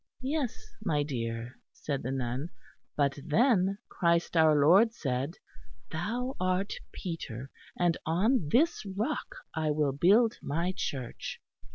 "Yes, my dear," said the nun, "but then Christ our Lord said: 'Thou art Peter, and on this rock I will build my Church.'